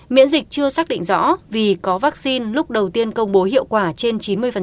miễn dịch chưa xác định rõ vì có vaccine lúc đầu tiên công bố hiệu quả trên chín mươi